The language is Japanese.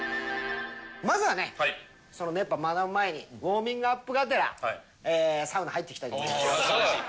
まずはね、その熱波、学ぶ前に、ウォーミングアップがてら、サウナ入っていきたいと思います。